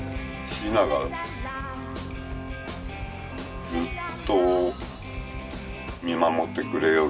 ．．．シーナがずっと見守ってくれよる